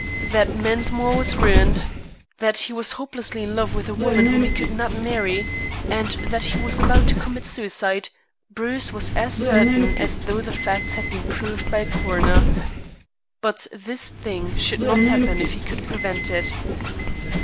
That Mensmore was ruined, that he was hopelessly in love with a woman whom he could not marry, and that he was about to commit suicide, Bruce was as certain as though the facts had been proved by a coroner. But this thing should not happen if he could prevent it.